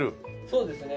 そうですね。